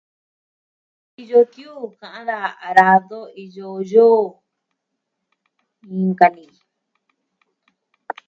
Iyo tiuun ka'an daa arado, iyo yoo. Inka ni.